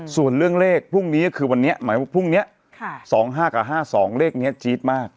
ส่วนเรื่องเลขพรุ่งนี้ก็คือวันนี้หมายพรุ่งนี้๒๕กับ๕๒เลขนี้จี๊ดมาก